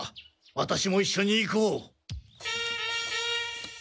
ワタシもいっしょに行こう。